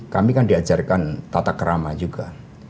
kami kan diajarkan tata kerama juga